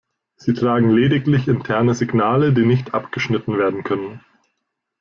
Sie tragen lediglich interne Signale, die nicht abgeschnitten werden können.